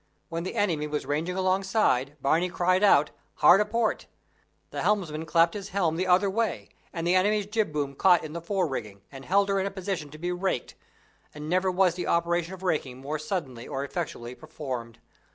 When the enemy was ranging alongside, Barney cried out, "Hard a port." The helmsman clapt his helm the other way, and the enemy's jib boom caught in the fore rigging, and held her in a position to be raked, and never was the operation of raking more suddenly or effectually performed.